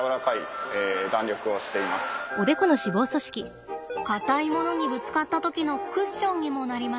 硬いものにぶつかった時のクッションにもなります。